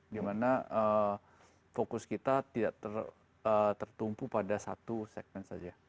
dimana fokus kita tidak tertumpu pada satu segmen saja